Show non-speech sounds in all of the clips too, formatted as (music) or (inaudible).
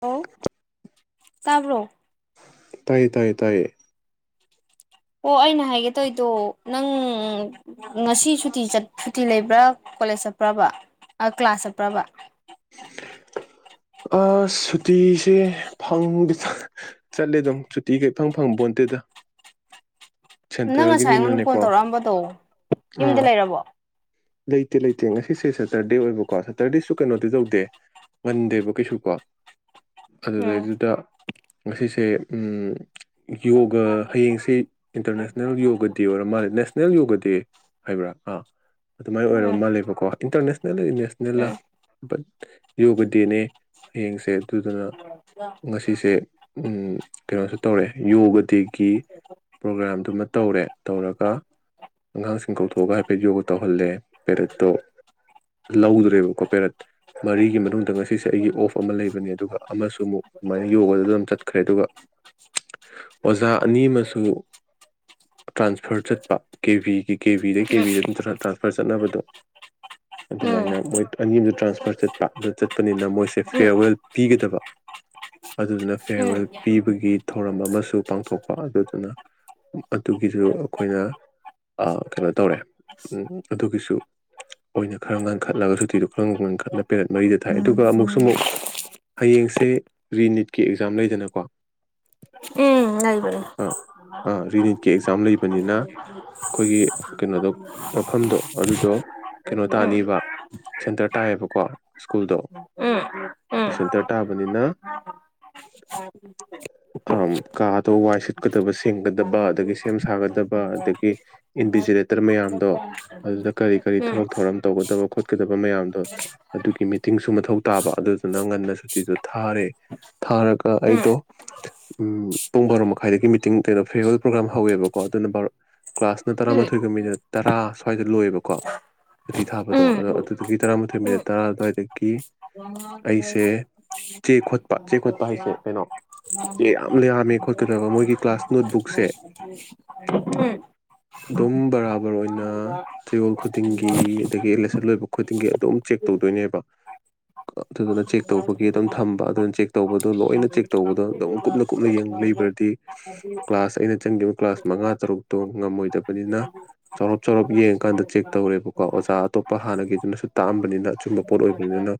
ꯍꯂ ꯇꯥꯕ꯭ꯔꯣ ꯇꯥꯏꯌꯦ ꯇꯥꯏꯌꯦ ꯇꯥꯏꯌꯦ ꯑꯣ ꯑꯩꯅ ꯍꯥꯏꯒꯦ ꯇꯧꯗꯣ ꯅꯪ ꯉꯁꯤ ꯁꯨꯇꯤ ꯁꯨꯇꯤ ꯂꯩꯕ꯭ꯔꯥ ꯀꯣꯂꯦꯖ ꯆꯠꯄ꯭ꯔꯕ ꯀ꯭ꯂꯥꯁ ꯆꯠꯄ꯭ꯔꯕ ꯑꯁ ꯁꯨꯇꯤꯁꯦ ꯐꯪꯗꯤ ꯆꯠꯂꯦ ꯑꯗꯨꯝ ꯁꯨꯇꯤꯒꯩ ꯏ ꯐꯪ ꯐꯪꯕꯣꯟꯇꯦꯗ ꯅꯪ ꯉꯁꯥꯏ ꯑꯩꯉꯣꯟꯗ ꯀꯣꯜ ꯁꯦꯟꯇ꯭ꯔꯦꯜꯒꯤꯅꯤꯅꯅꯦꯀꯣ ꯇꯧꯔꯛꯑꯝꯕꯗꯣ ꯌꯨꯝꯗ ꯑꯥ ꯂꯩꯔꯕꯣ ꯂꯩꯇꯦ ꯂꯩꯇꯦ ꯉꯁꯤꯁꯦ ꯁꯇꯔꯗꯦ ꯑꯣꯏꯕꯀꯣ ꯁꯇꯔꯗꯦꯁꯨ ꯀꯩꯅꯣꯗꯤ ꯇꯧꯗꯦ ꯉꯟꯗꯦꯕ ꯀꯩꯁꯨ ꯀꯣ ꯎꯝ ꯑꯗꯨꯗꯩꯗꯨꯗ ꯉꯁꯤꯁꯦ ꯌꯣꯒ ꯍꯌꯦꯡꯁꯤ ꯏꯟꯇꯔꯅꯦꯁꯅꯦꯜ ꯌꯣꯒ ꯗꯦ ꯑꯣꯏꯔ ꯃꯥꯜꯂꯦ ꯅꯦꯁꯅꯦꯜ ꯌꯣꯒ ꯗꯦ ꯍꯥꯏꯕ꯭ꯔꯥ ꯑꯥ ꯑꯗꯨꯃꯥꯏꯅ ꯑꯣꯏꯔ ꯎꯝ ꯃꯥꯜꯂꯦꯕꯀꯣ ꯏꯟꯇꯔꯅꯦꯁꯅꯦꯜ ꯅꯦꯁꯅꯦꯜꯅ ꯎꯝ ꯌꯣꯒꯗꯤꯅꯦ ꯍꯌꯦꯡꯁꯦ ꯑꯗꯨꯗꯨꯅ ꯉꯁꯤꯁꯦ ꯀꯩꯅꯣꯁꯨ ꯇꯧꯔꯛꯑꯦ ꯌꯣꯒꯗꯤ ꯒꯤ ꯄ꯭ꯔꯣꯒ꯭ꯔꯥꯝꯗꯨ ꯇꯧꯔꯦ ꯇꯧꯔꯒ ꯑꯉꯥꯡꯁꯤꯡ ꯀꯧꯊꯣꯛꯑꯒ ꯍꯥꯏꯐꯦꯠ ꯌꯣꯒ ꯇꯧꯔꯦ ꯂꯧꯗ꯭ꯔꯦꯕꯀꯣ ꯄꯦꯔꯠ ꯃꯔꯤꯒꯤ ꯃꯅꯨꯡꯗ ꯉꯁꯤꯁꯦ ꯑꯩꯒꯤ ꯑꯣꯐ ꯑꯃ ꯂꯩꯕꯅꯦ ꯑꯗꯨꯒ ꯑꯃꯁꯨ ꯑꯃꯨꯛ ꯑꯗꯨꯃꯥꯏꯅ ꯌꯣꯒꯗꯨꯗ ꯑꯗꯨꯝ ꯆꯠꯈ꯭ꯔꯦ ꯑꯗꯨꯒ ꯑꯣꯖꯥ ꯑꯅꯤ ꯑꯃꯁꯨ ꯇ꯭ꯔꯥꯟꯁꯐꯔ ꯆꯠꯄ ꯀꯦ ꯕꯤꯒꯤ ꯀꯕꯤꯤꯗ ꯀꯦꯕꯤꯗ ꯅꯔ ꯇ ꯆꯠꯅꯕꯗꯣ ꯎꯝ ꯑꯗꯨꯃꯥꯏꯅ ꯃꯣꯏ ꯑꯅꯤ ꯇ꯭ꯔꯥꯟꯁꯐꯔ ꯆꯠꯄ ꯑꯗꯨ ꯆꯠꯄꯅꯤꯅ ꯃꯣꯏꯁꯦ ꯎꯝ ꯐꯤꯌꯔꯋꯦꯜ ꯄꯤꯒꯗꯕ ꯑꯗꯨꯗꯨꯅ ꯐꯦꯌꯔꯋꯦꯜ ꯄꯤꯕꯒꯤ ꯊꯧꯔꯝ ꯑꯃꯁꯨ ꯄꯥꯡꯊꯣꯛꯄ ꯑꯗꯨꯗꯨꯅ ꯑꯗꯨꯒꯤꯁꯨ ꯑꯩꯈꯣꯏꯅ ꯀꯩꯅꯣ ꯇꯧꯔꯦ ꯑꯗꯨꯒꯤꯁꯨ ꯑꯣꯏꯅ ꯈꯔ ꯉꯟꯈꯠꯂꯒ ꯁꯨꯇꯤꯗꯣ ꯈꯔ ꯉꯟꯈꯠꯅ ꯄꯦꯔꯦꯠ ꯃꯔꯤꯗ ꯊꯥꯏ ꯑꯗꯨꯒ ꯑꯃꯨꯛꯁꯨ ꯑꯃꯨꯛ ꯍꯌꯦꯡꯁꯦ ꯔꯤꯅꯤꯠꯀꯤ ꯑꯦꯛꯖꯥꯝ ꯂꯩꯗꯅꯀꯣ ꯂꯩꯕ ꯑ ꯔꯔꯤꯅꯤꯀꯤ ꯑꯦꯛꯖꯝ ꯂꯩ (unintelligible) ꯗꯣ ꯑꯗꯨꯗꯣ ꯀꯩꯅꯣ ꯃ ꯇꯥꯅꯤꯕ ꯁꯦꯟꯇꯔ ꯇꯥꯏꯌꯦꯕꯀꯣ ꯁ꯭ꯀꯨꯜꯗꯣ ꯎꯝ ꯎꯝ ꯎꯝ ꯎꯝ ꯎꯝ ꯎꯝ ꯁꯦꯟꯇꯔ ꯇꯥꯕꯅꯤꯅ ꯀꯥꯗꯣ ꯋꯥꯏ ꯁꯤꯠꯀꯗꯕ ꯁꯦꯡꯒꯗꯕ ꯑꯗꯒꯤ ꯁꯦꯝ ꯁꯥꯒꯗꯕ ꯑꯗꯒꯤ ꯏꯟꯚꯤꯖꯤꯔꯦꯇꯔ ꯃꯌꯥꯝꯗꯣ ꯑꯗꯨꯗ ꯀꯔꯤ ꯀꯔꯤ ꯊꯕꯛ ꯊꯧꯔꯝ ꯇꯧꯒꯗꯕ ꯈꯣꯠꯀꯗꯕ ꯃꯌꯥꯝꯗꯣ ꯑꯗꯨꯒꯤ ꯃꯤꯇꯤꯡꯁꯨ ꯃꯊꯧ ꯇꯥꯕ ꯑꯗꯨꯗꯨꯅ ꯉꯟꯅ ꯁꯨꯇꯤꯗꯣ ꯊꯥꯔꯦ ꯊꯥꯔꯒ ꯑꯩꯗꯣ ꯄꯨꯡ ꯕꯥꯔꯣ ꯃꯈꯥꯏꯗꯒꯤ ꯃꯤꯇꯤꯡ ꯀꯩꯅꯣ ꯐꯦꯔꯋꯦꯜ ꯄ꯭ꯔꯣꯒ꯭ꯔꯥꯝ ꯍꯧꯋꯦꯕꯀꯣ ꯑꯗꯨꯅ ꯀ꯭ꯂꯥꯁꯅ ꯇꯔꯥꯃꯥꯊꯣꯏꯒ ꯃꯤꯅꯠ ꯇꯔꯥ ꯁ꯭ꯋꯥꯏꯗ ꯂꯣꯏꯌꯦꯕꯀꯣ ꯁꯇꯤ ꯊꯥꯕꯗꯣ ꯑꯗꯣ ꯑꯗꯨꯗꯒꯤ ꯇꯔꯥꯃꯥꯊꯣꯏ ꯃꯤꯅꯠ ꯇꯔꯥ ꯑꯗꯨꯋꯥꯏꯗꯒꯤ ꯑꯩꯁꯦ ꯆꯦ ꯈꯣꯠꯄ ꯄꯠ ꯆ ꯆꯩ ꯈꯣꯠꯄ ꯍꯥꯏꯁꯦ ꯀꯩꯅꯣ ꯑꯦ ꯌꯥꯝ ꯌꯥꯝꯃꯦ ꯈꯣꯠꯀꯗꯕ ꯃꯣꯏꯒꯤ ꯀ꯭ꯂꯥꯁ ꯅꯣꯠꯕꯨꯛꯁꯦ ꯎꯝ ꯑꯗꯨꯝ ꯕꯔꯥꯕꯔ ꯑꯣꯏꯅ ꯆꯌꯣꯜ ꯈꯨꯗꯤꯡꯒꯤ ꯑꯗꯒꯤ ꯑꯦꯂꯦꯁꯟ ꯂꯣꯏꯕ ꯈꯨꯗꯤꯡꯒꯤ ꯑꯗꯨꯝ ꯆꯦꯛ ꯇꯧꯗꯣꯏꯅꯦꯕ ꯑꯗꯨꯗꯨꯅ ꯆꯦꯛ ꯇꯧꯕꯒꯤ ꯑꯗꯨꯝ ꯊꯝꯕ ꯑꯗꯨꯅ ꯆꯦꯛ ꯇꯧꯕꯗꯣ ꯂꯣꯏꯅ ꯆꯦꯛ ꯇꯧꯕꯗꯣ ꯑꯗꯨꯝ ꯀꯨꯞꯅ ꯀꯨꯞꯅꯡ ꯂꯩꯕ꯭ꯔꯗꯤ ꯀ꯭ꯂꯥꯁ ꯑꯩꯅ ꯆꯪꯈꯤꯕ ꯀ꯭ꯂꯥꯁ ꯃꯉꯥ ꯇꯔꯨꯛꯇꯣ ꯉꯝꯃꯣꯏꯗꯕꯅꯤꯅ ꯆꯥꯎꯔꯞ ꯆꯥꯎꯔꯞ ꯌꯦꯡ ꯀꯀꯥꯟꯗ ꯆꯦꯛ ꯇꯧꯔꯦꯕꯀꯣ ꯑꯣꯖꯥ ꯑꯇꯣꯞꯄ ꯍꯥꯟꯅꯒꯤꯗꯨꯅꯁꯨ ꯇꯥꯛꯑꯝꯕꯅꯤꯅ ꯑꯆꯨꯝꯕ ꯄꯣꯠ ꯑꯣꯏꯕꯅꯤꯅ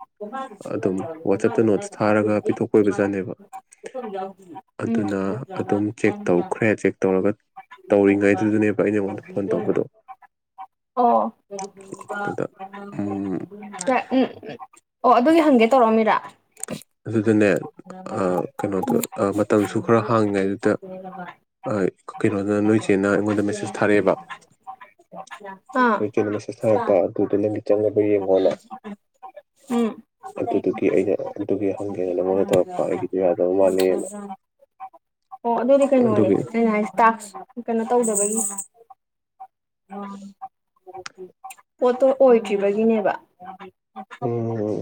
ꯑꯗꯨꯝ ꯋꯥꯆꯞꯇ ꯅꯣꯠꯁ ꯊꯥꯔꯒ ꯄꯤꯊꯣꯛꯄ ꯑꯣꯏꯕꯖꯥꯠꯅꯦꯕ ꯎꯝ ꯑꯗꯨꯅ ꯑꯗꯨꯝ ꯆꯦꯛ ꯇꯧꯈ꯭ꯔꯦ ꯆꯦꯛ ꯇꯧꯔꯒ ꯇꯧꯔꯤꯉꯩꯗꯨꯗꯨꯅꯦꯕ ꯑꯩꯉꯣꯟꯗ ꯐꯣꯟ ꯇꯧꯕꯗꯣ ꯑꯣ ꯎꯝ ꯑꯗ ꯎꯝ ꯎꯝ ꯎꯝ ꯑꯣ ꯑꯗꯨꯒꯤ ꯍꯪꯒꯦ ꯇꯧꯔꯛꯑꯝꯃꯤꯔꯥ ꯑꯗꯨꯗꯅꯦ ꯀꯩꯅꯣꯗꯣ ꯎꯝ ꯃꯇꯝꯁꯨ ꯈꯔ ꯍꯥꯡꯉꯤꯉꯩꯗꯨꯗ ꯀꯩꯅꯣꯗ ꯅꯣꯏ ꯆꯦꯅ ꯑꯩꯉꯣꯟꯗ ꯃꯦꯁꯦꯖ ꯊꯥꯔꯛꯑꯦꯕ ꯑꯥ ꯅꯣꯏꯆꯦꯅ ꯃꯦꯁꯦꯖ ꯊꯥꯔꯛꯄ ꯑꯗꯨꯗꯣ ꯅꯪꯒꯤ ꯆꯪꯉꯕ ꯌꯦꯡꯉꯣꯅ ꯎꯝ ꯑꯗꯨꯗꯨꯒꯤ ꯑꯩꯅ ꯑꯗꯨꯒꯤ ꯍꯪꯒꯦꯅ ꯅ ꯃꯣꯟꯗ ꯇꯧꯔꯛꯄ ꯑꯩꯒꯤꯗ ꯌꯥꯗꯕ ꯃꯥꯜꯂꯤꯅ ꯑꯣ ꯑꯗꯨꯗꯤ ꯀꯩꯅꯣꯅꯦ ꯑꯩꯅ ꯍꯥꯏꯁ ꯇꯥꯛꯁ ꯀꯩꯅꯣ ꯇꯧꯗꯕꯒꯤ ꯄꯣꯠꯇꯣ ꯑꯣꯏ꯭ꯔꯤꯕꯒꯤꯅꯦꯕ ꯑꯣꯝ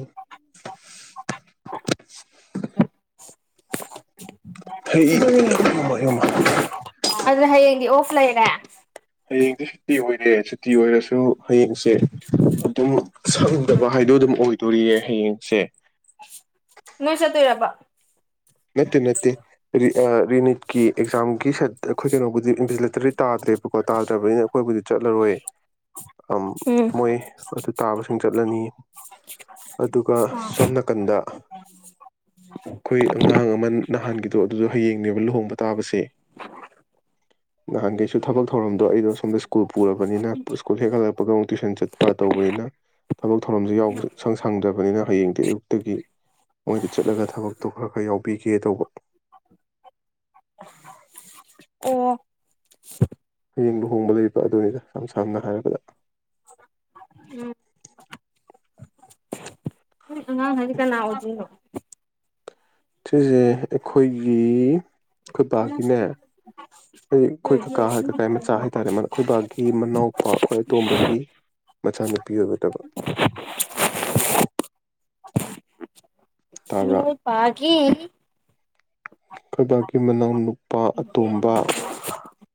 ꯍꯩ ꯌꯃ ꯌꯃ ꯑꯗꯨꯅ ꯍꯌꯦꯡꯗꯤ ꯑꯣꯐ ꯂꯩꯔꯦ ꯍꯌꯦꯡꯗꯤ ꯁꯨꯇꯤ ꯑꯣꯏꯔꯦ ꯁꯨꯇꯤ ꯑꯣꯏꯔꯁꯨ ꯍꯌꯦꯡꯁꯦ ꯑꯗꯨꯝ ꯁꯪꯗꯕ ꯍꯥꯏꯗꯣ ꯑꯗꯨꯝ ꯑꯣꯏꯗꯣꯔꯤꯌꯦ ꯍꯌꯦꯡꯁꯦ ꯆꯠꯇꯨꯔꯄꯥ ꯅꯠꯇꯦ ꯅꯠꯇꯦ ꯔꯤꯅꯤꯠꯀꯤ ꯑꯦꯛꯖꯥꯝꯒꯤ ꯁ ꯑꯩꯈꯣꯏ ꯀꯩꯅꯣꯕꯨꯗꯤꯚꯖꯤꯂꯦꯇꯔꯤ ꯇꯥꯗ꯭ꯔꯦꯕꯀꯣ ꯇꯥꯗ꯭ꯔꯕꯅꯤꯅ ꯑꯩꯈꯣꯏꯕꯨꯗꯤ ꯆꯠꯂꯔꯣꯏ ꯑꯝ, ꯎꯝ ꯃꯣꯏ ꯑꯗꯨ ꯇꯥꯕꯁꯤꯡ ꯆꯠꯂꯅꯤ ꯑꯗꯨꯒ ꯁꯣꯝ ꯅꯥꯀꯟꯗ ꯑꯩꯈꯣꯏ ꯑꯉꯥꯡ ꯑꯃ ꯅꯍꯥꯟꯒꯤꯗꯣ ꯑꯗꯨꯗꯣ ꯍꯌꯦꯡꯅꯦꯕ ꯂꯨꯍꯣꯡꯕ ꯇꯥꯕꯁꯦ ꯅꯍꯥꯟꯈꯩꯁꯨ ꯊꯕꯛ ꯊꯧꯔꯝꯗꯣ ꯑꯩꯗꯣ ꯁꯣꯝꯗ ꯁ꯭ꯀꯨꯜ ꯄꯨꯔꯕꯅꯤꯅ ꯁ꯭ꯀꯨꯜ ꯍꯦꯛ ꯍꯜꯂꯛꯄꯒ ꯑꯃꯨꯛ ꯇꯨꯋꯏꯁꯟ ꯆꯠꯄ ꯇꯧꯕꯅꯤꯅ ꯊꯕꯛ ꯊꯧꯔꯝꯁ ꯌꯥꯎꯕ ꯁꯪ ꯁꯪꯗ꯭ꯔꯕꯅꯤꯅ ꯍꯌꯦꯡꯗꯤ ꯑꯌꯨꯛꯇꯒꯤ ꯃꯣꯏꯗ ꯆꯠꯂꯒ ꯊꯕꯛꯇꯣ ꯈꯔ ꯈꯔ ꯌꯥꯎꯕꯤꯒꯦ ꯇꯧꯕ ꯑꯣ ꯍꯌꯦꯡ ꯂꯨꯍꯣꯡꯕ ꯂꯩꯕ ꯑꯗꯨꯅꯤꯗ ꯏꯁꯝ ꯁꯝꯅ ꯍꯥꯏꯔꯕꯗ ꯎ ꯑ ꯍ ꯀꯅ ꯍꯧꯗꯣ (unintelligible) ꯁꯤꯁꯦ ꯑꯩꯈꯣꯏꯒꯤ ꯑꯩꯈꯣꯏꯄꯥꯛꯀꯤꯅꯦ ꯍꯥꯏꯗꯤ ꯑꯩꯈꯣꯏ ꯀꯀꯥ ꯍꯥꯏ ꯀꯀꯥ ꯃꯆꯥ ꯍꯥꯏꯇꯥꯔꯦ ꯑꯩꯈꯣꯏꯕꯕꯥꯒꯤ ꯃꯅꯥꯎ ꯈ꯭ꯋꯥꯏ ꯑꯇꯣꯝꯕꯒꯤ ꯃꯆꯥꯅꯨꯄꯤ ꯑꯣꯏꯕꯗꯕ (unintelligible) ꯑꯩꯈꯣꯏ ꯄꯥꯒꯤ ꯀꯣꯏꯕꯥꯛꯀꯤ ꯃꯅꯥꯎꯅꯨꯄꯥ ꯑꯇꯣꯝꯕ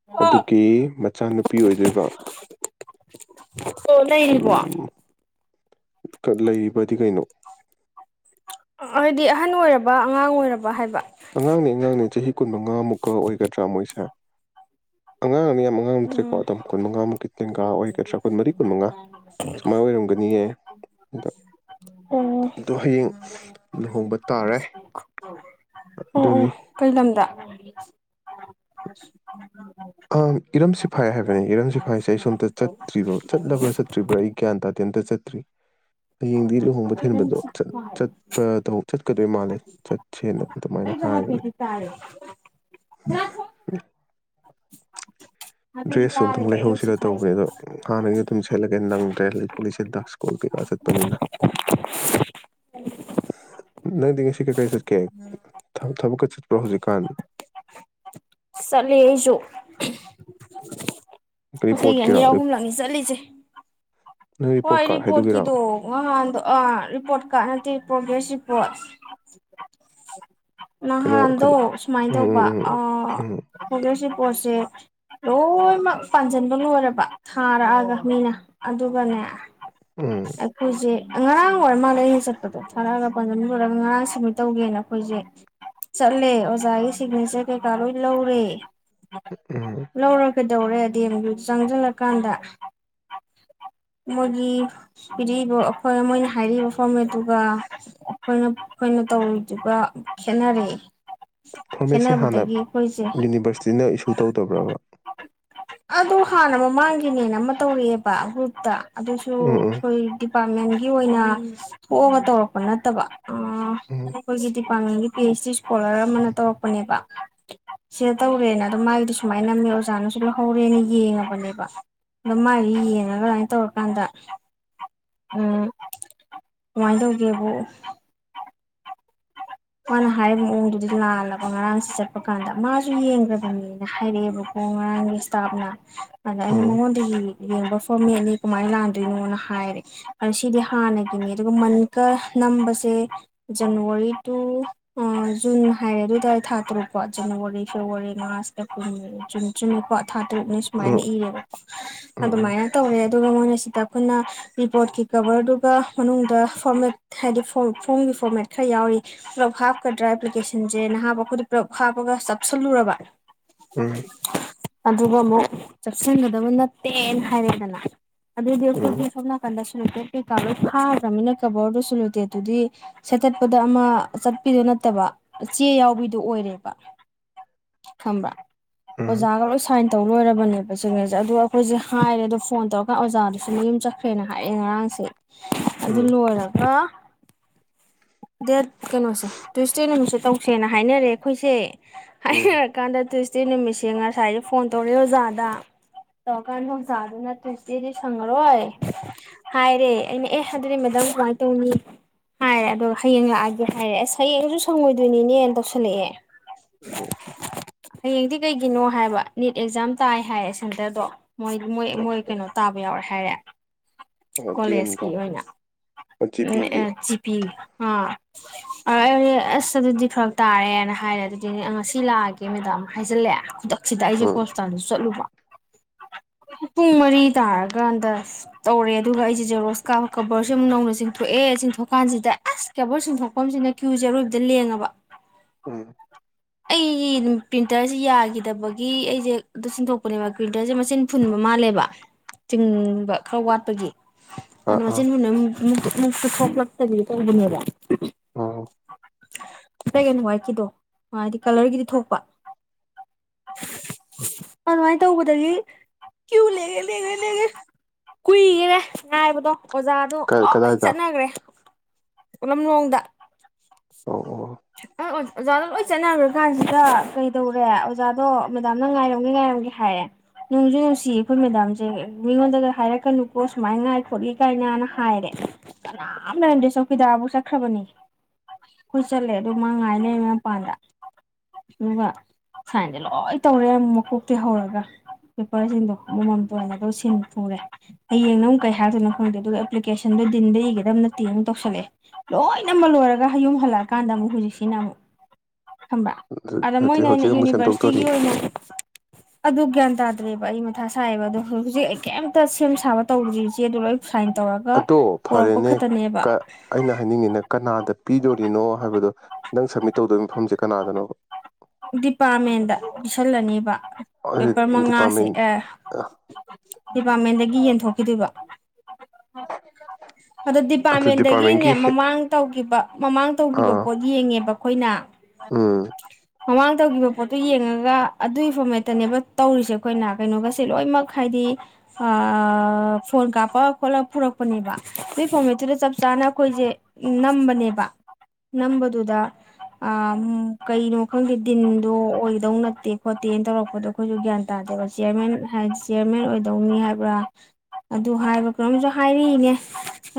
ꯑꯣ ꯑꯗꯨꯒꯤ ꯃꯆꯥꯅꯨꯄꯤ ꯑꯣꯏꯗꯣꯏꯕ ꯑꯣ ꯂꯩꯔꯤꯕꯣ ꯎꯝ ꯂꯩꯔꯤꯕꯗꯤ ꯀꯩꯅꯣ ꯍꯥꯏꯗꯤ ꯑꯍꯟ ꯑꯣꯏꯔꯕ ꯑꯉꯥꯡ ꯑꯣꯏꯔꯕ ꯍꯥꯏꯕ ꯑꯉꯥꯡꯅꯦ ꯑꯉꯥꯡꯅꯦ ꯆꯍꯤ ꯀꯨꯟꯃꯉꯥꯃꯨꯛꯀ ꯑꯣꯏꯒꯗ꯭ꯔꯥ ꯃꯣꯏꯁꯦ ꯑꯉꯥꯡꯅꯤ ꯌꯥꯝ ꯑꯉꯥꯡ ꯅꯠꯇ꯭ꯔꯦꯀꯣ ꯎꯝ ꯑꯣꯝ ꯀꯨꯟꯃꯉꯥꯃꯨꯛꯀꯤ ꯇꯦꯡꯀꯥ ꯑꯣꯏꯒꯗ꯭ꯔꯥꯣ ꯀꯨꯟ ꯃꯔꯤ ꯀꯨꯟꯃꯉꯥ ꯁꯨꯃꯥꯏꯅ ꯑꯣꯏꯔꯝꯒꯅꯤꯌꯦ (unintelligible) ꯎꯝ ꯑꯗꯣ ꯍꯌꯦꯡ ꯂꯨꯍꯣꯡꯕ ꯇꯥꯔꯦ ꯑꯣ ꯑꯗꯨꯅꯤ ꯑꯣ ꯀꯩ ꯂꯝꯗ ꯑꯪ ꯏꯔꯝ ꯁꯤꯐꯥꯏ ꯍꯥꯏꯕꯅꯤ ꯏꯔꯝ ꯁꯤꯐꯥꯏꯁꯦ ꯑꯩ ꯁꯣꯝꯇ ꯆꯠꯇ꯭ꯔꯤꯕ꯭ꯔꯥ ꯆꯠꯂꯕ꯭ꯔꯥ ꯆꯠꯇ꯭ꯔꯤꯕ꯭ꯔꯥ ꯑꯩ ꯒ꯭ꯌꯥꯟ ꯇꯥꯗꯦ ꯑꯃꯇ ꯆꯠꯇ꯭ꯔꯤ ꯍꯌꯦꯡꯗꯤ ꯂꯨꯍꯣꯡꯕ ꯊꯤꯟꯕꯗꯣ ꯆꯠꯄꯗ ꯆꯠꯀꯗꯣꯏ ꯃꯥꯜꯂꯦ ꯆꯠꯁꯦꯅ ꯑꯗꯨꯃꯥꯏꯅ ꯍꯥꯏꯕꯅꯦ (unintelligible) ꯍꯥꯏꯐꯦꯠꯇꯤ ꯗ꯭ꯔꯦꯁꯁꯨ ꯑꯝꯇꯪ ꯇꯥꯔꯦꯕ ꯑꯦꯝ ꯂꯩꯍꯧꯁꯤꯔ ꯁꯤꯐꯥꯏꯁꯦ ꯇꯧꯕꯅꯦ ꯑꯗꯣ ꯍꯥꯟꯅꯒꯤ ꯑꯗꯨꯝ ꯁꯦꯠꯂꯒꯦ ꯅꯪꯗ꯭ꯔꯦ ꯂꯤꯊꯣꯂꯤꯁꯦ ꯗꯛꯁ ꯀꯣꯜ ꯀꯩꯀꯥ ꯆꯠꯄꯅꯤꯅ ꯅꯪꯗꯤ ꯉꯁꯤ ꯀꯩꯀꯩ ꯆꯠꯀꯦ ꯊꯕꯛꯀ ꯆꯠꯄ꯭ꯔꯣ ꯍꯧꯖꯤꯛꯀꯥꯟ ꯆꯂꯁꯨ ꯑꯩꯁꯨ ꯉꯁꯤꯒꯤ ꯔꯤꯄꯣꯔꯠꯀꯤꯔꯣ ꯑꯅꯤꯔꯥ ꯔꯤ- ꯑꯍꯨꯝꯂꯛꯅꯤ ꯆꯠꯂꯤꯁꯦ ꯅꯪ ꯔꯤꯄꯣꯔꯠ ꯀꯥꯔꯠ ꯍꯣꯏꯔꯤꯄꯣꯠ ꯍꯥꯏꯗꯨꯒꯤꯔꯣ ꯀꯗꯣ ꯔꯤꯄꯣꯔꯠ ꯀꯥꯔꯠ ꯅꯠꯇꯦ ꯄ꯭ꯔꯣꯒ꯭ꯔꯦꯁ ꯔꯤꯄꯣꯔꯠ ꯀꯩꯗꯧ ꯅꯍꯥꯟꯗꯣ ꯀꯩꯗꯧ ꯁꯨꯃꯥꯏꯅ ꯎꯝ ꯎꯝ ꯎꯝ ꯎꯝ ꯇꯧꯕꯁꯤ ꯄꯣꯠꯁꯦ ꯂꯣꯏꯅꯃꯛ ꯄꯥꯟꯁꯤꯟꯕ ꯂꯣꯏꯔꯕ ꯊꯥꯔꯛꯑꯒ ꯃꯤꯅ ꯑꯗꯨꯒꯅꯦ ꯎꯝ ꯑꯩꯈꯣꯏꯖꯤ ꯉꯔꯥꯡ ꯑꯣꯏꯔ ꯃꯥꯜꯂꯦ ꯑꯁꯦ ꯆꯠꯄꯗꯣ ꯊꯥꯔꯛꯑꯒ ꯄꯥꯟꯖ ꯂꯣꯏꯔꯒ ꯉꯔꯥꯡ ꯁꯦꯃꯤꯠ ꯇꯧꯒꯦꯅ ꯑꯩꯈꯣꯏꯁꯦ ꯆꯠꯂꯦ ꯑꯣꯖꯥꯒꯤ ꯁꯤꯒꯅꯦꯆꯔ ꯀꯩꯀꯥ ꯂꯣꯏ ꯂꯧꯔꯦ ꯎꯝ ꯂꯧꯔ ꯀꯩꯗꯧꯔꯦ ꯑꯗꯦꯝꯗꯨ ꯆꯪꯁꯤꯜꯂꯀꯥꯟꯗ ꯃꯣꯏꯒꯤ ꯄꯤꯔꯛꯏꯕ ꯑꯩꯣꯏ ꯃꯣꯏꯅ ꯍꯥꯏꯔꯛꯏꯕ ꯐꯣꯔꯃꯦꯠꯇꯨꯒ ꯑꯩꯈꯣꯏꯅ ꯑꯩꯈꯣꯏꯅ ꯇꯧꯔꯤꯗꯨꯒ ꯁꯟꯅꯔꯤ ꯐꯣꯔꯃꯦꯠꯁꯦ ꯍꯥꯟꯅ ꯌꯨꯅꯤꯚꯔꯁꯤꯇꯤꯅ ꯏꯁꯨ ꯇꯧꯗꯕ꯭ꯔꯕ ꯑꯗꯨ ꯍꯥꯟꯅ ꯃꯃꯥꯡꯒꯤꯅꯦꯅ ꯑꯃ ꯇꯧꯔꯛꯑꯦꯕ ꯒ꯭ꯔꯨꯞꯇ ꯑꯗꯨꯁꯨ ꯎꯝ ꯎꯝ ꯑꯩꯈꯣꯏ ꯗꯤꯄꯥꯔꯠꯃꯦꯟꯒꯤ ꯑꯣꯏꯅ ꯊꯣꯛꯑꯒ ꯇꯧꯔꯛꯄ ꯅꯠꯇꯕ ꯎꯝ ꯑꯣ ꯀꯣꯗꯤ ꯄꯥꯡꯗꯤ ꯄꯤ ꯑꯩꯩꯆ ꯗꯤ ꯏꯁꯀꯣꯂꯔ ꯑꯃꯅ ꯇꯧꯔꯛꯄꯅꯦꯕ ꯁꯤꯗ ꯇꯧꯔꯦꯅ ꯑꯗꯣ ꯃꯥꯒꯤꯗꯤ ꯁꯨꯃꯥꯏꯅ ꯅꯝꯃꯦ ꯑꯣꯖꯥꯅꯁꯨ ꯂꯧꯍꯧꯔꯦꯅ ꯌꯦꯡꯉꯕꯅꯦꯕ ꯑꯗꯣ ꯃꯥꯒꯤꯗꯨ ꯌꯦꯡꯉꯒ ꯑꯗꯨꯃꯥꯏꯅ ꯇꯧꯔꯀꯥꯟꯗ ꯎꯝ ꯀꯃꯥꯏꯅ ꯇꯧꯒꯦꯕ ꯃꯥꯅ ꯍꯥꯏꯔꯤꯕ ꯃꯑꯣꯡꯗꯨꯗꯤ ꯂꯥꯜꯂꯕ ꯉꯔꯥꯡꯁꯤ ꯆꯠꯄ ꯀꯥꯟꯗ ꯃꯥꯁꯨ ꯌꯦꯡꯈ꯭ꯔꯕꯅꯦꯅ ꯍꯥꯏꯔꯛꯑꯦꯕꯀꯣ ꯉꯔꯥꯡꯒꯤ ꯏꯁꯇꯥꯞꯅ ꯑꯗ ꯑꯩꯅ ꯃꯉꯣꯟꯗꯒꯤ ꯌꯦꯡꯕ ꯐꯣꯔ ꯃꯤ ꯑꯅꯤ ꯀꯃꯥꯏꯅ ꯂꯥꯟꯗꯣꯏꯅꯣꯅ ꯍꯥꯏꯔꯦ ꯑꯣ ꯁꯤꯗꯤ ꯍꯥꯟꯅꯒꯤꯅꯤ ꯑꯗꯨꯒ ꯃꯟꯀ ꯅꯝꯕꯁꯦ ꯖꯅꯋꯥꯔꯤ ꯇꯨ ꯖꯨꯟ ꯍꯥꯏ ꯑꯗꯨꯗ ꯊꯥ ꯇꯔꯨꯛꯀꯣ ꯖꯅꯋꯥꯔꯤ ꯐꯦꯕꯋꯥꯔꯤ ꯃꯥꯔꯁꯇ ꯀ ꯖꯨꯟ ꯆꯨꯝꯃꯤꯄꯣ ꯊꯥ ꯇꯔꯨꯛꯅꯤ ꯁꯨꯃꯥꯏꯅ ꯏꯔꯦꯕꯀꯣ ꯑꯗꯨꯃꯥꯏꯅ ꯇꯧꯔꯦ ꯑꯗꯨꯒ ꯃꯣꯏꯅ ꯁꯤꯗ ꯑꯩꯈꯣꯏꯅ ꯔꯤꯄꯣꯔꯠꯀꯤ ꯀꯕꯔꯗꯨꯒ ꯃꯅꯨꯡꯗ ꯐꯣꯔꯃꯦꯠ ꯍꯥꯏꯗꯤ ꯐꯣꯝꯒꯤ ꯐꯣꯔꯃꯦꯠ ꯈꯔ ꯌꯥꯎꯔꯤ ꯄꯨꯂꯞ ꯍꯥꯞꯀꯗ꯭ꯔꯥ ꯑꯦꯄ꯭ꯂꯤꯀꯦꯁꯟꯁꯦ ꯅꯍꯥ ꯃꯈ ꯑꯩꯈꯣꯏꯗ ꯄꯨꯂꯞ ꯍꯥꯞꯄꯒ ꯆꯥꯞꯁꯤꯜꯂꯨꯔꯕ ꯎꯝ ꯑꯗꯨꯒ ꯑꯃꯨꯛ ꯆꯥꯛꯁꯤꯟꯒꯗꯕ ꯅꯠꯇꯦꯅ ꯍꯥꯏꯔꯦꯗꯅ ꯑꯗꯨꯗꯣꯦꯗꯤꯁꯝꯅ ꯀꯟꯗꯁꯟ ꯎꯠꯇꯦ ꯀꯩꯀꯥꯕꯔ ꯐꯥꯗ꯭ꯔꯃꯤꯅ ꯀꯕꯔꯗꯨꯁꯨꯂꯨꯇꯦ ꯑꯗꯨꯗꯤ ꯁꯦꯠꯇꯠꯄꯗ ꯑꯃ ꯆꯠꯄꯤꯗꯨ ꯅꯠꯇꯕ ꯆꯦ ꯌꯥꯎꯕꯤꯗꯨꯣ ꯑꯣꯏꯔꯦꯕ ꯈꯪꯕ꯭ꯔꯥ ꯑꯣꯖꯥꯒ ꯂꯣꯏ ꯁꯥꯏꯟ ꯇꯧ ꯂꯣꯏꯔꯕꯅꯦꯕ ꯆꯨꯉꯦꯁꯦ ꯑꯗ ꯑꯩꯈꯣꯏꯁꯦ ꯍꯥꯏꯔꯦ ꯑꯗꯣ ꯐꯣꯟ ꯇꯧꯔꯀꯥꯟꯗ ꯑꯣꯖꯥꯗꯨꯁꯨ ꯌꯨꯝ ꯆꯠꯈ꯭ꯔꯦꯅ ꯍꯥꯏꯌꯦꯦ ꯉꯔꯥꯡꯁꯦ ꯑꯗꯨ ꯂꯣꯏꯔꯒ ꯗꯦꯠ ꯀꯩꯅꯣꯁꯦ ꯇ꯭ꯨꯁꯗꯦ ꯅꯨꯃꯤꯠꯁꯦ ꯇꯧꯁꯦꯅ ꯍꯥꯏꯅꯔꯦ ꯑꯩꯈꯣꯏꯁꯦ ꯍꯥꯏ ꯀꯥꯟꯗ ꯇ꯭ꯁꯗꯦ ꯅꯨꯃꯤꯠꯁꯦ ꯉꯁꯥꯏꯁꯦ ꯐꯣꯟ ꯇꯧꯔꯛꯑꯦ ꯑꯣꯖꯥꯗ ꯇꯧꯔꯀꯥꯟꯗ ꯑꯣꯖꯥꯗꯨꯅ ꯇ꯭ꯨꯁꯗꯦꯗꯤ ꯁꯪꯉꯔꯣꯏ ꯍꯥꯏꯔꯦ ꯑꯩꯅ ꯑꯦ ꯑꯗꯨꯗꯤ ꯃꯦꯗꯥꯝ ꯀꯃꯥꯏꯅ ꯇꯧꯅꯤ ꯍꯥꯏꯔꯦ ꯑꯗꯣ ꯍꯌꯦꯡ ꯂꯥꯛꯑꯒꯦ ꯍꯥꯏꯔꯦ ꯑꯁ ꯍꯌꯦꯡꯁꯨ ꯁꯪꯉꯣꯏꯗꯣꯏꯅꯤꯅꯦꯅ ꯇꯧꯁꯜꯂꯛꯑꯦ ꯎꯝ ꯍꯌꯦꯡꯗꯤ ꯀꯩꯒꯤꯅꯣ ꯍꯥꯏꯕ ꯅꯤꯠ ꯑꯦꯛꯖꯥꯝ ꯇꯥꯏ ꯍꯥꯏꯔꯦ ꯁꯦꯟꯇꯔꯗꯣ ꯃꯣꯏ ꯃꯣꯏ ꯃꯣꯏ ꯀꯩꯅꯣ ꯇꯥꯕ ꯌꯥꯎꯔꯦ ꯍꯥꯏꯔꯦ ꯑꯣ ꯗꯤ ꯀꯣꯂꯦꯖꯀꯤ ꯑꯦꯝꯗ ꯑꯣꯏꯅ ꯑꯣ ꯖꯤ ꯄꯤꯒꯤ ꯖꯤ ꯄꯤ ꯑ ꯑꯩꯗꯤ ꯑꯁ ꯑꯗꯨꯗꯤ ꯐꯔꯛ ꯇꯥꯔꯦꯅ ꯍꯥꯏꯔꯦ ꯑꯗꯨꯗꯤ ꯉꯁꯤ ꯂꯥꯛꯑꯒꯦ ꯃꯦꯗꯥꯝ ꯍꯥꯏꯖꯤꯜꯂꯛꯑꯦ ꯈꯨꯗꯛ ꯁꯤꯗ ꯑꯩꯁꯦ ꯎꯝ ꯍꯣꯁꯄꯤꯇꯥꯜꯗꯁꯨ ꯆꯠꯂꯨꯕ ꯄꯨꯡ ꯃꯔꯤ ꯇꯥꯔꯀꯥꯟꯗ ꯇꯧꯔꯦ ꯑꯗꯨꯒ ꯑꯩꯁꯦ ꯖꯦꯔꯣꯁꯀꯥ ꯀꯕꯔꯁꯦ ꯑꯃꯨꯛ ꯅꯧꯅ ꯆꯤꯡꯊꯣꯛꯑꯦ ꯆꯤꯡꯊꯣꯛꯀꯥꯟꯁꯤꯗ ꯑꯁ ꯀꯦꯕꯣꯔ ꯁꯤꯟꯊꯣꯛꯐꯝꯁꯤꯅ ꯀ꯭ꯌꯨꯁꯦ ꯑꯔꯣꯏꯕꯗ ꯂꯦꯡꯉꯕ ꯎꯝ ꯑꯩ ꯄ꯭ꯔꯤꯟꯇꯔꯁꯦ ꯌꯥꯈꯤꯗꯕꯒꯤ ꯑꯩꯁꯦ ꯑꯗꯨ ꯁꯤꯟꯊꯣꯛꯄꯅꯦꯕ ꯄ꯭ꯔꯤꯟꯇꯔꯁꯦ ꯃꯆꯤꯟ ꯐꯨꯟꯕ ꯃꯥꯜꯂꯦꯕ ꯆꯤꯡꯕ ꯈꯔ ꯋꯥꯠꯄꯒꯤ ꯑꯥ ꯑꯥ ꯑꯅꯃꯆꯤꯟ ꯍꯨꯅ ꯃꯨꯛꯇꯣ ꯃꯨꯛꯇꯣ ꯊꯣꯛꯂꯛꯇꯕꯤꯗꯣ ꯇꯧꯕꯅꯦꯕ (unintelligible) ꯑꯥ ꯕ꯭ꯂꯦꯛ ꯑꯦꯟ ꯋꯥ꯭ꯋꯥꯏꯠꯀꯤꯗꯣꯗꯤ ꯀꯂꯔꯒꯤꯗꯤ ꯊꯣꯛꯄ ꯑꯗꯨꯃꯥꯏꯅ ꯇꯧꯕꯗꯒꯤ ꯀ꯭ꯌꯨ ꯂꯦꯡꯉꯦ ꯂꯦꯡꯉꯦ ꯂꯦꯡꯉꯦ ꯀꯨꯏꯒꯔꯦ ꯉꯥꯏꯕꯗꯣ ꯑꯣꯖꯥꯗꯣ ꯀꯥꯏ ꯂꯣꯏ ꯀꯗꯥꯏꯗ ꯆꯠꯅꯈ꯭ꯔꯦ ꯂꯝꯂꯣꯡꯗ ꯑꯣ ꯑꯣ (unintelligible) ꯑꯣꯖꯥꯗꯣ ꯂꯣꯏ ꯆꯠꯅꯈ꯭ꯔ ꯀꯥꯟꯁꯤꯗ ꯀꯩꯗꯧꯔꯦ ꯑꯣꯖꯥꯗꯣ ꯃꯦꯗꯥꯝꯅ ꯉꯥꯏꯔꯝꯒꯦ ꯉꯥꯏꯔꯝꯒꯦ ꯍꯥꯏꯔꯦ ꯅꯨꯡꯖꯨ ꯅꯨꯡꯁꯤꯌꯦ ꯑꯩꯈꯣꯏ ꯃꯦꯗꯥꯝꯁꯦ ꯃꯤꯉꯣꯟꯗꯒ ꯍꯥꯏꯔꯛꯀꯅꯨꯀꯣ ꯁꯨꯃꯥꯏꯅ ꯉꯥꯏ ꯈꯣꯠꯂꯤ ꯀꯥꯏꯅꯅ ꯍꯥꯏꯔꯦ ꯀꯅꯥꯝ ꯂꯩꯔꯝꯗꯦ ꯆꯧꯀꯤꯗꯥꯔꯐꯧ ꯆꯠꯈ꯭ꯔꯕꯅꯤ ꯆꯠꯂꯦ ꯑꯗꯨ ꯃꯥ ꯉꯥꯏꯅꯩ ꯃꯄꯥꯟꯗ ꯑꯗꯨꯒ ꯁꯥꯏꯟꯗꯤ ꯂꯣꯏ ꯇꯧꯔꯦ ꯃꯀꯣꯛꯇꯤ ꯍꯧꯔꯒ ꯄꯦꯄꯔꯁꯤꯡꯗꯣ ꯑꯃꯃꯝꯇꯣ ꯑꯣꯏꯅꯗꯣ ꯁꯤꯟ ꯐꯨꯔꯦ ꯍꯌꯦꯡ ꯅ ꯑꯃꯨꯛ ꯀꯩ ꯍꯥꯏꯗꯣꯏꯅꯣ ꯈꯪꯗꯦ ꯑꯗꯨꯒ ꯑꯦꯄ꯭ꯂꯤꯀꯦꯁꯟꯗꯣ ꯗꯤꯟꯗ ꯏꯒꯗꯕ ꯅꯠꯇꯦ ꯑꯃꯨꯛ ꯇꯧꯁꯤꯜꯂꯛꯑꯦ ꯂꯣꯏꯅꯃꯛ ꯂꯣꯏꯔꯒ ꯍꯌꯨꯝ ꯍꯜꯂꯛ ꯀꯥꯟꯗ ꯑꯃꯨꯛ ꯍꯨꯖꯤꯛꯁꯤꯅ ꯑꯃꯨꯛ ꯊꯝꯕ꯭ꯔ ꯑꯗꯨ ꯑꯗ ꯑꯗꯨ ꯃꯣꯏꯅ ꯑꯩꯅ ꯍꯧꯖꯤꯛ ꯑꯃꯨꯛ ꯌꯨꯅꯤꯚꯔꯁꯤꯇꯤꯒꯤ ꯁꯦꯝꯗꯣꯛꯇꯣꯔꯤ ꯑꯣꯏꯅ ꯑꯗꯨ ꯒ꯭ꯌꯥꯟ ꯇꯥꯗ꯭ꯔꯦꯕ ꯑꯩ ꯃꯊꯥ ꯁꯥꯏꯦꯕ ꯑꯗꯣ ꯍꯧꯖꯤꯛ ꯍꯧꯖꯤꯛ ꯑꯩ ꯀꯩꯝꯇ ꯁꯦꯝ ꯁꯥꯕ ꯇꯧꯗ꯭ꯔꯤꯕꯦ ꯑꯗꯨ ꯂꯣꯏ ꯁꯥꯏꯟ ꯇꯧꯔꯒ ꯑꯗꯣ ꯄꯨꯔꯛꯄ ꯐꯔꯦꯅꯦ ꯈꯛꯇꯅꯦꯕ ꯑꯩꯅ ꯍꯥꯏꯅꯤꯡꯉꯤꯅ ꯀꯅꯥꯗ ꯄꯤꯗꯣꯔꯤꯅꯣ ꯍꯥꯏꯕꯗꯣ ꯅꯪ ꯁꯞꯃꯤꯠ ꯇꯧꯗꯣꯏ ꯃꯐꯝꯁꯦ ꯀꯅꯥꯗꯅꯣꯕ ꯗꯤꯄꯥꯔꯠꯃꯦꯟꯗ ꯄꯤꯁꯜꯂꯅꯤꯕ ꯄꯦꯄꯔ ꯃꯉꯥꯁꯦ ꯗꯤꯄꯥꯔꯠꯃꯦꯟ ꯑ ꯗꯤꯄꯥꯔꯠꯃꯦꯟꯗꯒꯤ ꯌꯦꯟꯊꯣꯛꯈꯤꯗꯣꯏꯕ ꯑꯗ ꯑꯗꯨ ꯗꯤꯄꯥꯔꯠꯃꯦꯟꯗꯒꯤꯅꯦ ꯗꯤꯄꯥꯔꯠꯃꯦꯟꯒꯤ ꯍꯦ ꯃꯃꯥꯡ ꯇꯧꯒꯤꯕ ꯃꯃꯥꯡ ꯇꯧꯈꯤꯕ ꯑꯥ ꯄꯣꯠ ꯌꯦꯡꯉꯦꯕ ꯈꯣꯏꯅ ꯎꯝ ꯃꯃꯥꯡ ꯇꯧꯈꯤꯕ ꯄꯣꯠꯇꯣ ꯌꯦꯡꯉꯒ ꯑꯗꯨꯒꯤ ꯐꯣꯔꯃꯦꯠꯇꯅꯦꯕ ꯇꯧꯔꯤꯁꯦ ꯑꯩꯈꯣꯏꯅ ꯀꯩꯅꯣꯒꯁꯦ ꯂꯣꯏꯅꯃꯛ ꯍꯥꯏꯗꯤ ꯑꯥ ꯐꯣꯟ ꯀꯥꯞꯄ ꯈꯣꯠꯂ ꯄꯨꯔꯛꯄꯅꯦꯕ ꯑꯗꯨꯏ ꯐꯣꯔꯃꯦꯠꯇꯨꯗ ꯆꯞ ꯆꯥꯅ ꯑꯩꯈꯣꯏꯁꯦ ꯅꯝꯕꯅꯦꯕ ꯅꯝꯕꯗꯨꯗ ꯑꯥꯝ ꯀꯩꯅꯣ ꯈꯪꯒꯤ ꯗꯤꯟꯗꯣ ꯑꯣꯏꯗꯧ ꯅꯠꯇꯦ ꯈꯣꯠꯇꯦꯅ ꯇꯧꯔꯛꯄꯗꯣ ꯑꯩꯈꯣꯏꯁꯨ ꯒ꯭ꯌꯥꯟ ꯇꯥꯗꯦꯕ ꯆꯤꯌꯔꯃꯦꯟ ꯆꯤꯌꯔꯃꯦꯟ ꯑꯣꯏꯗꯧꯅꯤ ꯍꯥꯏꯕ꯭ꯔꯥ ꯑꯗꯨ ꯍꯥꯏꯕ ꯀꯩꯅꯣꯝꯁꯨ ꯍꯥꯏꯔꯤꯅꯦ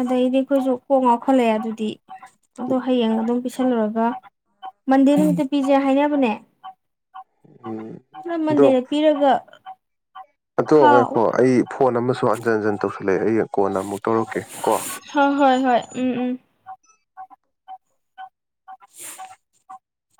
ꯑꯗꯩꯗꯤ ꯑꯩꯈꯣꯏꯁꯨ ꯀꯣꯛ ꯉꯥꯎꯈꯠꯂꯛꯑꯦ ꯑꯗꯨꯗꯤ ꯑꯗꯣ ꯍꯌꯦꯡ ꯑꯗꯨꯝ ꯄꯤꯁꯤ ꯂꯨꯔꯒ ꯃꯟꯗꯦ ꯅꯨ ꯄꯤꯖꯦ ꯍꯥꯏꯅꯕꯅꯦ ꯎꯝ ꯅ ꯑꯗꯣ ꯃꯟꯗꯦꯗ ꯄꯤꯔꯒ ꯑꯗꯣ ꯍꯥꯎ ꯉꯥꯏꯈꯣ ꯑꯩ ꯐꯣ ꯐꯣꯟ ꯑꯃꯁ ꯍꯟꯖꯟ ꯍꯟꯖꯟ ꯇꯧꯁ ꯂꯩ ꯑꯩ ꯀꯣꯟꯅ ꯑꯃꯨꯛ ꯇꯧꯔꯛꯀꯦ ꯀꯣ ꯍꯣꯏ ꯍꯣꯏ ꯍꯣꯏ ꯎꯝ ꯎꯝ (inaudible)